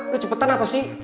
lo cepetan apa sih